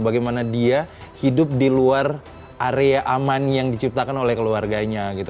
bagaimana dia hidup di luar area aman yang diciptakan oleh keluarganya gitu